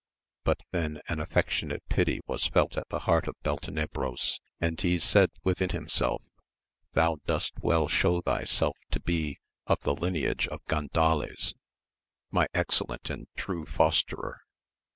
But then an affectionate pity was felt at the heart of Beltenebros, and he said within himself, thou dost well show thyself to be of the lineage of Gandales, my excellent and true fos terer